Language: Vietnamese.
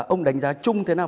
ông đánh giá chung thế nào